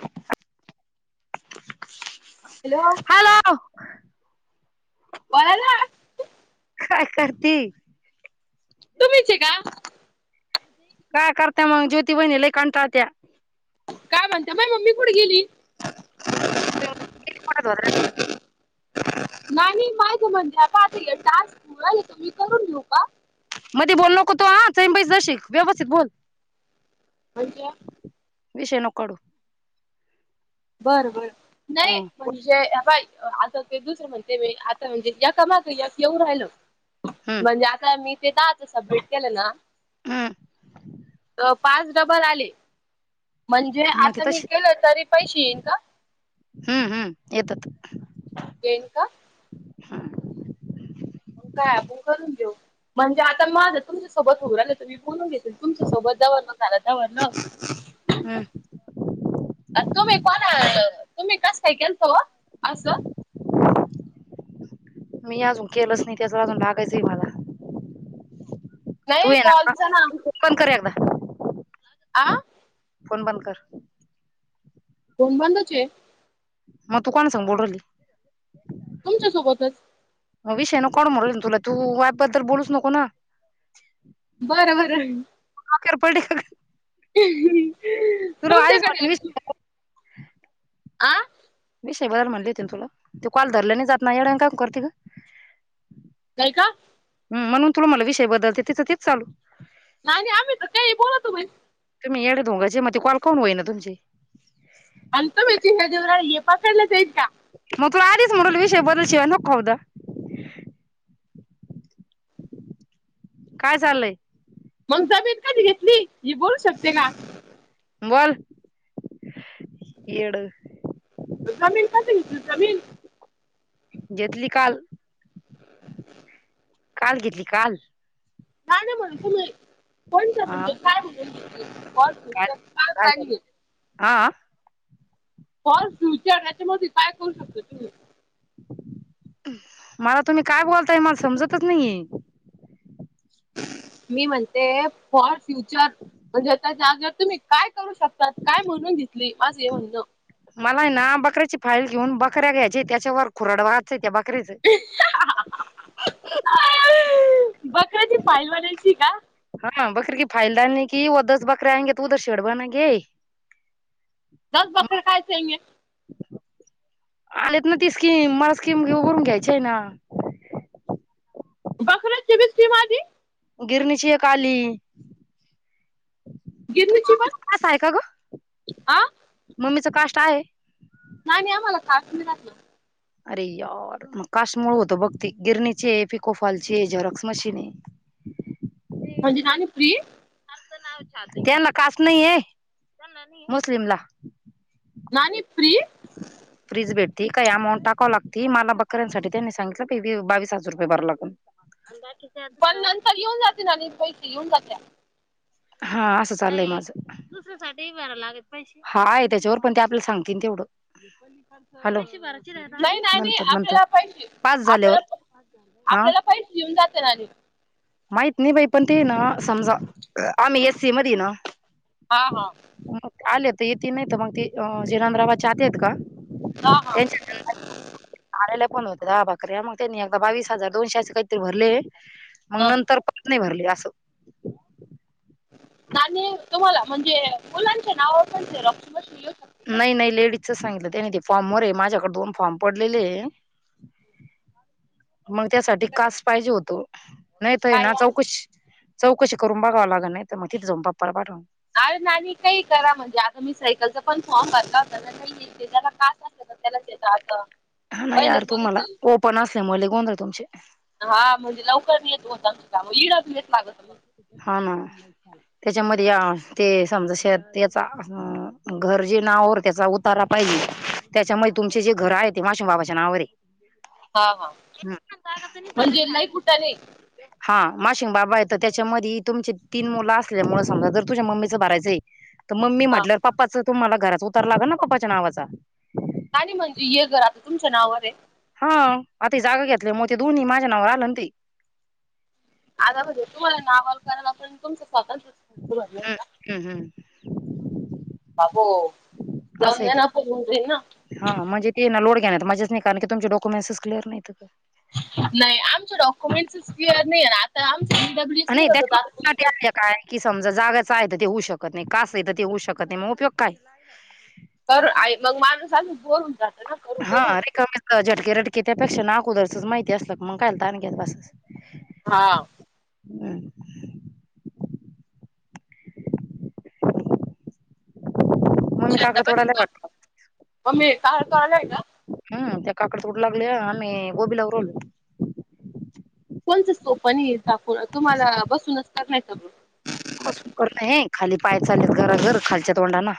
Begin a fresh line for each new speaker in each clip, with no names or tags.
हा [inaudible]
hello
hello?
पळाला
काय करती?
तुम्हीचे का?
काय करत्या मग, ज्योती वहिनी लई कंटाळ त्या.
का म्हणत्या माही मम्मी कुडं गेली? उ
[unintelligible]
उफ [inaudible] नानी माझ म्हणजे पाटी, हे टास्क हु राहीले, तर मी करून घेऊका?
मधी बोलू नको तु आ, चैन बैस जरशिक, व्यवस्थित बोल.
म्हणजे?
विषय नको काढू.
बरं बरं.
हं, कू
ए हेपाय आता ते दुसरं म्हणते मी, आता म्हणजे एका माग एक येऊ राहिलं.
हं
म्हणजे आता मी ते दहाचं सबमिट केलं ना,
हं
त पाच डबल आले, म्हणजे
मग ते
आता मी
तशी
केलं, तरी पैशे येईन का?
हम्म हम्म, येतात.
येईन का? काय आपण करून देऊ, म्हणजे आता माझं तुमच्यासोबत हुं राहीलं तर मी बोलून घेतेना तुमच्यासोबत जवा लोक झालं तवा लोक
हम्.
तुम्ही कोणा ला आ तुम्ही कसं काय केलत ओ असं!
मी अजून केलंच नाही त्याच् अजून लागायचय मला तू
नाही
ये ना का
कॉलच
ओपण कर एकदा
आ
फोन बंद कर.
फोन बंदच आह.
मग तू कोणा संग बोलु राहीली.
तुमच्यासोबतच
विषय नकोकाढू म्हणु राहीले ना तुला तू अँप बद्दल बोलूच नको ना.
बर बरं.
अखेर पडली का ग.
अ हम अ
तुला आइज म्हणले ना विज [unintelligible]
आ
विषय बदल म्हणले होते ना तुला ते कॉल धरल्यानाही जात ना येड्यावानी काउन करती ग.
नाही का.
हम म्हणून तुला म्हणलं विषय बदल तिचं तेच चालू.
नाही आम्ही तर काही बोलतो.
तुम् येडडे दोंगा जे म कॉल कवून होई ना तुमचे
अंत वच ह्या देवराळ हे पकडलं जाईल का
मग तुला आदीस म्हल विषय बदल शिवा नको. काय चाललंय.
मग जमीन कधी घेतली ही बोलू शकत का [unintelligible]
बोल येड.
जमीन कस दि जमीन
घेतली काल. काल घेतली काल.
ना ना म्हणून तुम्ही कोणत
हा
म्हणज काय बल
काल काय झालं
कायणी
हा.
फ फ्युचर याच्यामध्ये काय करू शकता तुम्ही
मला तुम्ही काय बोलताय मला समजतच नाही.
मी म्हणते फॉर फ्युचर म्हणजे आताच्यागवर तुम्ही काय करू शकतात काय म्हणून घेतली माझं हे म्हणणं.
मला ना बकऱ्याची फाईल घेऊन बकऱ्या घ्यायची त्याच्यावर कुरड वाच त्या बकरीच
कधी ी पायल बनायची का?
हा बकरी क फाल लानी की उदस बकरे आये त उदर शेड बनयेंगे.
दस बकरे खायचे हंगे.
आलेत ना ती स्कीम मला स्कीम घे करून घ्यायची आहे ना.
बकऱ्याची बी स्कीम आली.
गिरणीचीय आली.
गिरनी ची पण
अप आहे का ग?
आं
मम्मीचं काष्ट आहे.
नाही मी आम्हाला खासून ही घातलं.
अरे यार मग काशमूळ होतं बघ ती गिरणीची आहे पिकोफालची आहे झेरक्स मशीन आहे.
म्हणजे ना नी प्री
त्याना काष्ट नाही आहे मुस्लिमला.
नानी प्री
फ्रीज भेटती काय अमाऊंट टाकाव लागती मला बकऱ्यांसाठी त्यांनी सांगितलं फी बिव बावीस हजार रुपये भरा लागल. अंदार चे
पण नंतर येऊन जाते ना नाणी पैसे येऊन जात्या.
हा असं चाललंय माझं. हाय त्याच्यावर पण ते आपल्याला सांगतीन तेवढं. हॅलो.
नाही नाणी
नंतर नंतर
आपल्याला पैशे
पाच झाल्यावर
आपल्याला प
हा
आपल्याला पैशे येऊन जाते नाणी.
माहित नाही बाई पण ते ना समजा आम्ही एस सी मध्ये ना
हा हा.
आले तर येतीन नाही तर मंग ती अ जेरांदराबाच्या आत येत गं.
हा हा
त्यांच्या. [inaudible] आलेला पण होतरा बकऱ्या मग त्यांनी एकदा बावीस हजार दोनशे असं काहीतरी भरले. मग
हा
नंतर परत नाही भरले असं.
नाणी तुम्हाला म्हणजे मुलांच्या नावावर पण ते [unintelligible] येऊ शक
नाही नाही लेडीजचा सांगितलं त्यानी ते फॉर्मवर आहे माझ्याकडे दोन फॉर्म पडलेले.
[inaudible]
मग त्यासाठी कास्ट पाहिजे होतो नाही तर आहे
काय
ना चौकशी चौकशी करून बघावं लागल नाही तर मग तिथं जाऊन पप्पाला पाठवून.
अरे नाणी काही करा म्हणजे आता मी सायकलचा पण फॉर्म भरला होता ना काहीये त्याज्याला कास्ट असलं तर त्यालाच येत आता.
हा नाही यार
पहिलेच
तुम्हाला
बघितलं.
ओपन असल्यामुळे लय गोंधळं तुमचे.
हा म्हणजे लवकर येत होता [unintelligible] इड येत लागत. मग
हा ना. त्याच्यामध्ये या ते समजा शेअर त्याचाअसणार घर जे नावर त्याचा उ तरा पाहिजे त्याच्यामुळे तुमचे जे घर आहे ते माशमबाबाच्या नावावर आहे.
हा हा म्हणजे नाही लय कुठं नाही.
हा माशिंग बाबा येत. तर त्याच्यामध्ये तुमचे तीन मुलं असल्यामुळे समजा जर तुझ्या मम्मीचं भरायचं आहे तर मम्मी
हा
म्हटल्यावर पप्पाचं तुम्हाला घराचा उतार लागल ना पप्पाच्या नावाचा.
आणि म्हणजे ये घर आता तुमच्या नावावर आहे.
हा आता जागा घेतल्या म ते दोन्ही माझ्या नावावर आलं ना ते.
आता [unintelligible] तुम्हाला नावाल करायला तुमचं स्वातंत्र्य भरलेय का?
हम्म हम्म.
[unintelligible]
हां म्हणजे ते ना लोड घेण्यात मजाच नाही कारण ततुमचे डॉक्युमेंटसस क्लिअर नाही तर काय
नाही आमच्या डॉक्युमेंट्सच क्लिअर नाही आहे ना आता आमची बी डब्ल्यू एस नी
नाही
करतं होतो [unintelligible]
त्याच्या काय कि समजा जागाचं आहे तर ते होऊ शकत नाही कासं आहे तर ते होऊ शकत नाही म उपयोग काय?
तर आई मग माणूस असं बोर होऊन जात. ना करू
हा
करू
रिकाम झटके रटके त्यापेक्षा नाक उदरसच माहिती असल मग कायल तान घ्यात बस.
हा
हम् मामी काकडी
शतापती
तोडली
का
वाटत.
मम्मी काळ कळालाय का
हम् त्या काकडत तोडू लागल्या आम्ही गोबीलावू लागवलो.
कोणचं सोपनी दाखवून तुम्हाला बसून असत नाही सगून
सुकर नाही खाली पाय चालेत गर गर घर खालच्या तोंडाला.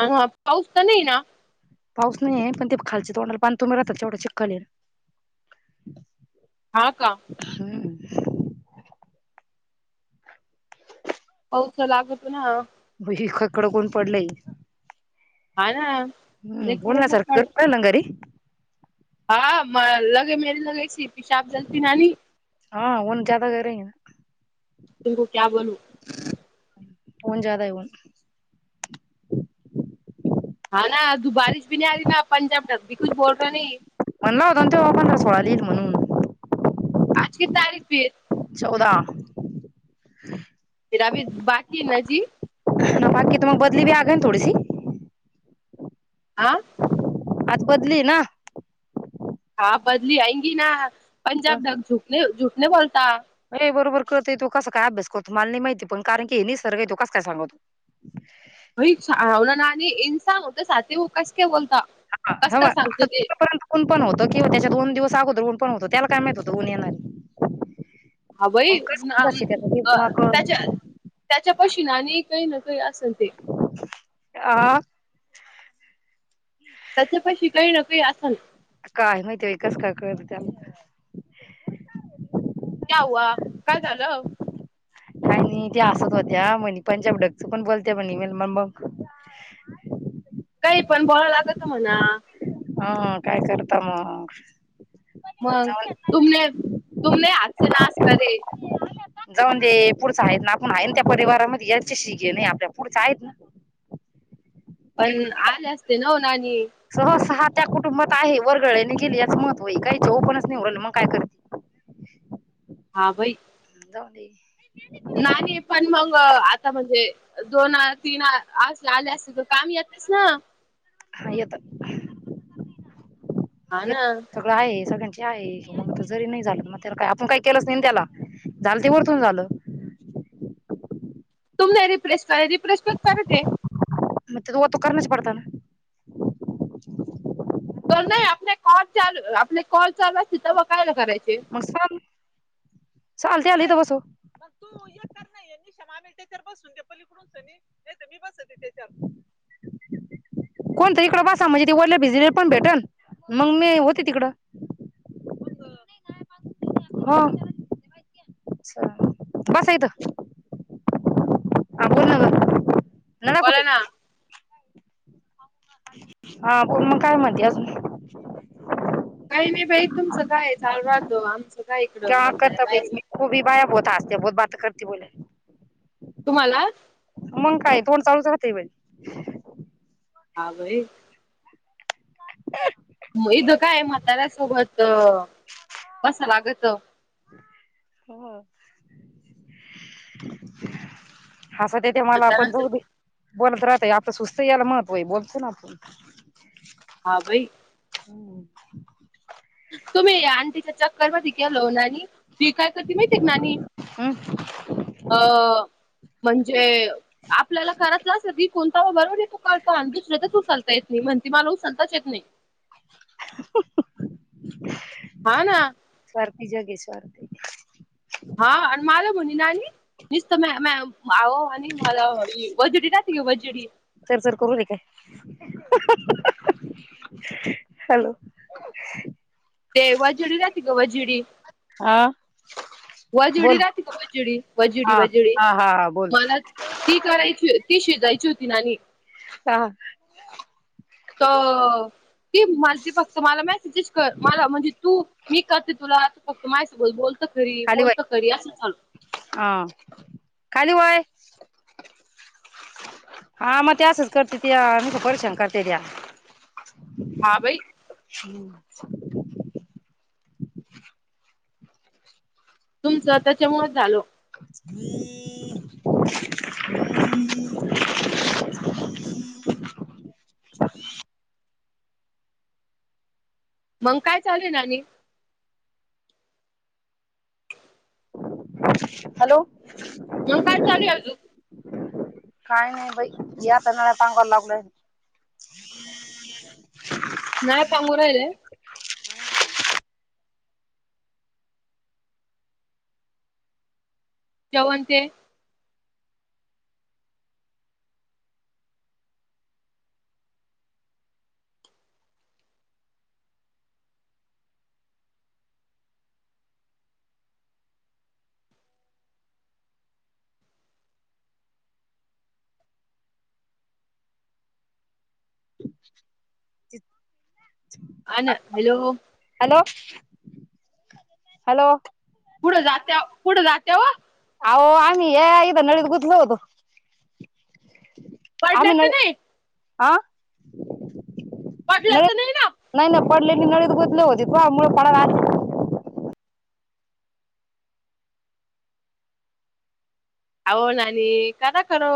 ह हा पाऊस तर नाही ना?
पाऊस नाहीय. पण ते खालचे तोंडाला पानी तोंडून राहतो ते चिखल आह.
हा का?
हा
पाऊस तर लागत ना.
ही कडक उन पडलंय.
हा ना.
हम्म
लय
बोलण्या
कडक ऊन
सारखं घरी
पडलं
पडेल ना घरी.
हा म लगे मेरी लगेची पिशाब जलती न [unintelligible]
हा ऊन न ज्यादा आहेरंग.
तुमको क्या बोलू
ऊन ज्यादा आहे ऊन
हा ना तू बारिश भी नाही आ री ना पंजाब टकी कुछ बोल र नाही.
म्हणला होता ते पण ह सोळालीईल म्हणून [unintelligible]
आज ची तारीख वीेस
चौदा
फर अभ बाकी न जी [unintelligible]
ह बाकी त मग बदली बीगे ना थोडीशी
आह
आज बदली ना
हा बदली आईंगी ना पंजाब जग, झूठ झूठ नहीं बोलता.
अ बरोबर करत य तो कस काय अभ्यास करतो मला नाही माहिती पण कारण की हे निसर्ग आहे तो कस काय सांगवतो.
अईवला ना एन सांग होत साव कस काय बोलता [unintelligible] कस
ह ह
काय सांगतो ते
[unintelligible] ऊन पण होतो किंवा त्याच्या दोन दिवस अगोदर ऊन पण होत त्याला काय माहत होतं ऊन येणार.
हवय
मग कसं बसेल त्याचं ते मग
त्याच्या [unintelligible] त्याच्या पशी आणि काही न काही असल ते
आ
त्याच्यापाशी काहीना काय असल.
काय माहिती कस काय कळत त्यांना
क्या हआ काय झालं.
आणि ते असत होत्या मनी पांच्या उडकच पण बोलते म्ह म म मग [unintelligible]
काही पण बोलावं लागत म्हणा.
हा काय करता मग.
मग
जाऊन
तुमने तुमने आातचे नाश करेल [unintelligible]
जाऊन दे पुढचं आहेत ना आपण आहेन त्या परिवारामध्ये यायचे शी घे नाही आपल्या पुढच्या आहेत ना [unintelligible]
पण आले असते ना ना आणि
सह सहा त्या कुटुंबात आहे. वर्गळने गेली याच महत्व आहे. काही चव पणच नाही उरल मग काय करते.
हा भाई.
जाऊदे.
नाही, पण मग आता म्हणजे- दोन आर तीन आर असे आले असतील तर काम येतस ना.
हा येतात.
हा ना
सगळ आहे. सगळ्यांची आहे, जरी नाही झाल, मग त्याला काय आपण काही केलच नाहीना त्याला. झाल ते वरतून झाल.
[unintelligible]
वो तो करणाच पडताना.
तर नाही आपल्या कॉल चालू, आपले कॉल चालू असतील तवा काय ला करायचे.
[unintelligible] [unintelligible] पल्लीकडून सनी, नाहीतर मी बसते त्याच्यावर. कोणतरी इकड बसामग. त वल्या भिजलेल पण भेटन, मग मी होते तिकड. हम. अच्छा, बसा इथ. ना ग नला कुठे
बोला ना.
हा बोल मग काय म्हणते अजून
काही नाही बाई तुमच काय चालू राहतो, आमचं काय इकड म्हाताऱ्या बा
खूपी बाया बहुत हसत्या बोत बहोत बाते करते बोले.
तुम्हाला
मग काय तोंड चालूच राहते बई.
हा भाई, मग इथ काय म्हाताऱ्यासोबत बसाव लागत.
हो. हस्त्यात ते मला आपण
म्हाताऱ्या
जाऊदे. बोलत राहतय आपल सुस्त यायला महत्व आहे. बोलतो ना आपण.
हा भाई.
[inaudible]
तुम्ही आणटीच्या चक्कर मध्ये गेलो हो नानी. ती काय करते माहितीय का नानी
हं.
अ म्हणजे, आपल्याला करायच असत की, कोणता व बरोबर तू कालता आणि दुसरयाच च उचलता येत नाही. म्हण ति मला उचलताच येत नाही.
[inaudible]
हा ना
स्वार्थी जग आहे. स्वार्थी
हा आणि मला म्हणे नानी नीसत म [unintelligible] आहो आणि मला वजडी रहाते का वजडी.
[unintelligible] हॅलो.
ते वजडी राती का वजडी.
हा
वजडी
बोल
राहते ग वजडी वजडी
हा
वजडी
हा हा हा बोल
ती करायची, ती शिजायची होती नानी.
ह
अ ती मला ते फक्त मला मॅसेज च कर मला मला म्हणजे तू, मी करते तुला. आ फक्त माय बोल बोलत खरी बोलत खरी अस चालू.
आ खाली वय हा मग त्या असच करते त्या नुसत परीशान करते त्या
हा बाई
[unintelligible]
तुमचं त्याच्यामुळेच झाल
[unintelligible] [unintelligible]
मग काय चालू ना आणिक
हॅलो
मग काय चालू अजून
काही नाही बाई या येणार सांगा लागलंय [unintelligible]
नाही पांगु राहिले जेवण ते
[unintelligible]
आ ना हॅलो
हॅलो, हॅलो
कुढं जात्याव कुठं जात्याव
अहो आम्ही या इथ नळीत गुथलो होतो
पडल्या
आम्ही
तर
न
नाही
आ
पडल्या
नळीत
तर नाही ना
नाही, नाही पडलेली नळीत गुंतले होते तुवा मूळ पडला आ
अहो नानी कदा करो